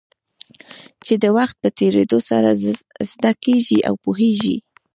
چې د وخت په تېرېدو سره زده کېږي او پوهېږې.